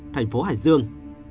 thành phố hải dương